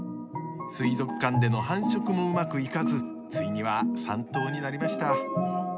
水族館での繁殖も、うまくいかずついには３頭になりました。